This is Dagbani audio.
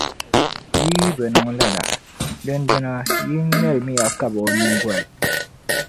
yi yi bi niŋ lala, dindina yin’ ŋmɛlimiya kab’ o nyiŋgoli.